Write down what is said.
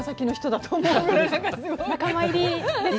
仲間入りですね。